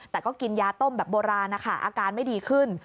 แต่ก็กินยาต้มแบบโบราณนะคะอาการไม่ดีขึ้น